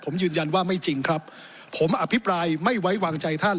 ผมยืนยันว่าไม่จริงครับผมอภิปรายไม่ไว้วางใจท่าน